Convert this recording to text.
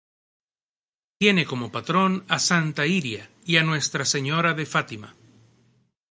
Tiene como patrón a Santa Iria y a Nuestra Señora de Fátima.